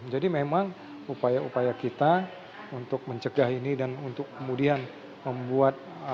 jadi memang upaya upaya kita untuk mencegah ini dan untuk kemudian membuat